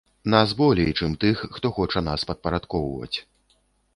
Нас болей чым тых, хто хоча нас падпарадкоўваць.